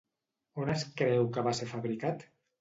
On es creu que va ser fabricat?